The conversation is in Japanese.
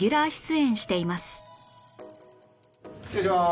失礼します。